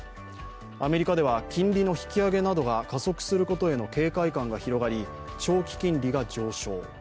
アメリカでは金利の引き上げなどが加速することへの警戒感が広がり金利が上昇。